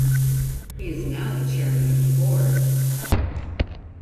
He is now the chairman of the board.